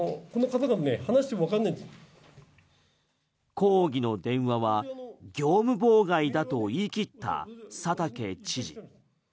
抗議の電話は業務妨害だと言い切った佐竹知事。